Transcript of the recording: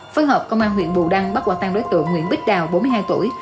phối hợp công an huyện bù đăng bắt quả tăng đối tượng nguyễn bích đào bốn mươi hai tuổi